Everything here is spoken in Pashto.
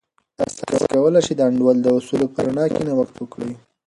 تاسې کولای سئ د انډول د اصولو په رڼا کې نوښت وکړئ.